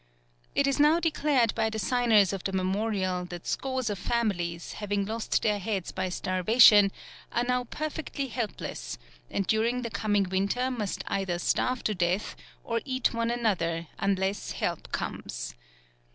It is now declared by the signers of the memorial that scores of families, having lost their heads by starvation, are now perfectly helpless, and during the coming winter must either starve to death or eat one another unless help comes.